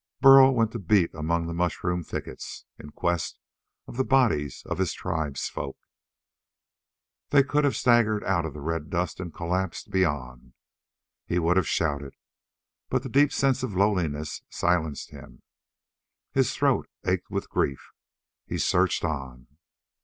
Burl went to beat among the mushroom thickets, in quest of the bodies of his tribesfolk. They could have staggered out of the red dust and collapsed beyond. He would have shouted, but the deep sense of loneliness silenced him. His throat ached with grief. He searched on....